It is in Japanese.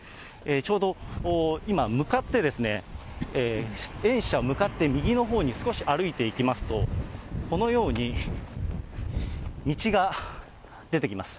ちょうど今、向かって、園舎向かって右のほうに少し歩いていきますと、このように道が出てきます。